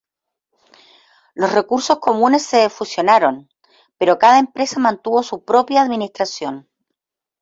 Los recursos comunes se fusionaron, pero cada empresa mantuvo su propia administración.